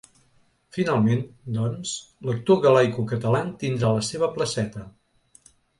Finalment, doncs, l’actor ‘galaico-catalán’ tindrà la seva placeta.